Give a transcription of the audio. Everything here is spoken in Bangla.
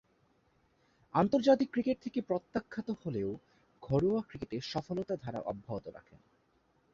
আন্তর্জাতিক ক্রিকেট থেকে প্রত্যাখ্যাত হলেও ঘরোয়া ক্রিকেটে সফলতার ধারা অব্যাহত রাখেন।